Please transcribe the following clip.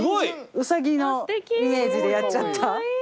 ウサギのイメージでやっちゃった。